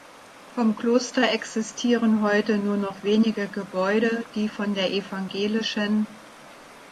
Vom Kloster existieren heute nur noch wenige Gebäude, die von der Ev.